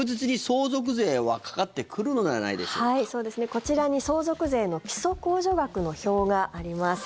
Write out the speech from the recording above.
こちらに相続税の基礎控除額の表があります。